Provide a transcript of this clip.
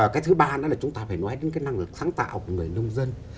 cái thứ ba nữa là chúng ta phải nói đến cái năng lực sáng tạo của người nông dân